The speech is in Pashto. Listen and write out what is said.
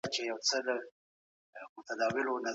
که تېره زمانه هېره کړو نو راتلونکی به سم نه وي.